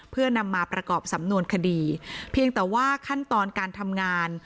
เพื่อนำมาประกอบสำนวนคดีเพียงแต่ว่าขั้นตอนการทำงาน